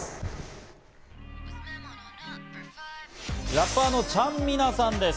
ラッパーのちゃんみなさんです。